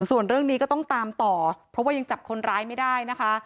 ส่วนเรื่องนี้ก็ต้องตามต่อเพราะว่ายังจับคนร้ายไม่ได้นะคะ